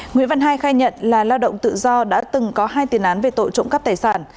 nguyễn văn hai khai nhận là lao động tự do đã từng có hai tiền án về tội trộm cắp tài sản